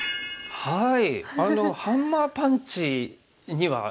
はい。